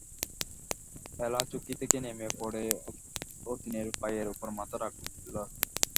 এলা চৌকি থেকে নেমে পড়ে অতীনের পায়ের উপর মাথা রাখলে।